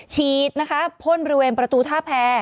ฉีดพ่นบริเวณประตูท่าแพ้